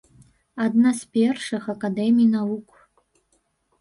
Адна з першых акадэмій навук.